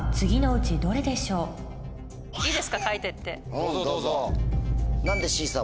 どうぞどうぞ。